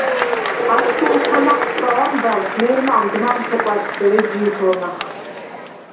აშხუ̂ინ ქა ნახსწუ̂რაუ̂ს ამბა̈უ̂ს, მე̄რმა̄დ მა̄მ ხეკუ̂ა̈დხ სერ, ეჯჟი ითო̄ნახ.